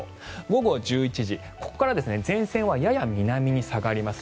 午後１１時、ここから前線はやや南に下がります。